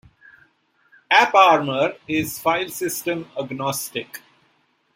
AppArmor is filesystem-agnostic.